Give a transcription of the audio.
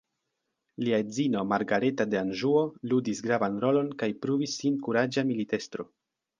Lia edzino Margareta de Anĵuo ludis gravan rolon kaj pruvis sin kuraĝa militestro.